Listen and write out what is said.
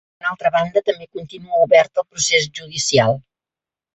Per una altra banda, també continua obert el procés judicial.